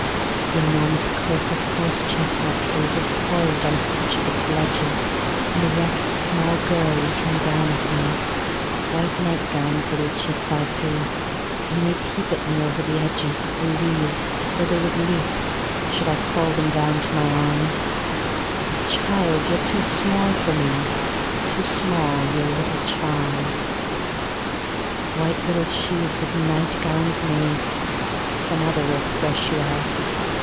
The enormous cliff of horse chestnut treesHas poised on each of its ledgesAn erect small girl looking down at me; White night gowned little chits I see, And they peep at me over the edgesOf the leaves as though they would leap, should I callThem down to my arms;"But, child, you're too small for me, too smallYour little charms."White little sheaves of night gowned maids, Some other will thresh you out!